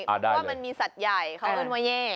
เพราะว่ามันมีสัตว์ใหญ่เขาเอิ้นว่าเย่